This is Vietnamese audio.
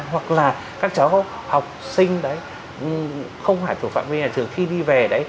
hoặc là các cháu học sinh không hải thủ phạm vi thường khi đi về